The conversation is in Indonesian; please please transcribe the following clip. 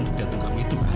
untuk jantung kamu itu kan